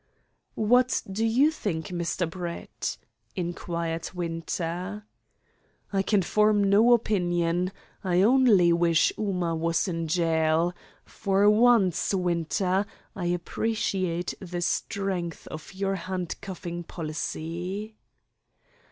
"What do you think, Mr. Brett?" inquired Winter. "I can form no opinion. I only wish Ooma was in gaol. For once, Winter, I appreciate the strength of your handcuffing policy."